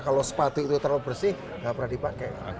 kalau sepatu itu terlalu bersih nggak pernah dipakai